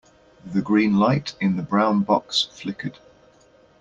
The green light in the brown box flickered.